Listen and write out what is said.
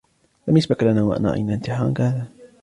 لم يسبق لنا و أن رأينا انتحارا كهذا.